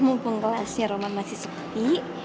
mumpung kelasnya roma masih sepi